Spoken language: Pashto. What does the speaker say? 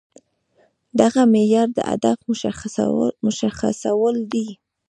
دغه معيار د هدف مشخصول دي.